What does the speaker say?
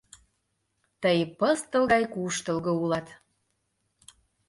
Тый пыстыл гай куштылго улат...